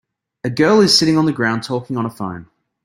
A girl is sitting on the ground talking on a phone.